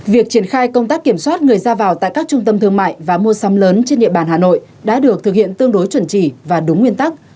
việc triển khai công tác kiểm soát người ra vào tại các trung tâm thương mại và mua sắm lớn trên địa bàn hà nội đã được thực hiện tương đối chuẩn chỉ và đúng nguyên tắc